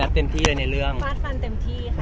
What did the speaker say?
ฟาดฟันเต็มที่ค่ะนายเพื่อนไหม